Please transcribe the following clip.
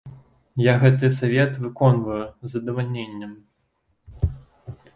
Я гэты савет выконваю з задавальненнем.